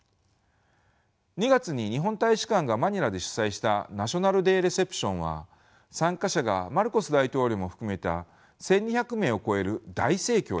２月に日本大使館がマニラで主催したナショナルデーレセプションは参加者がマルコス大統領も含めた１，２００名を超える大盛況でした。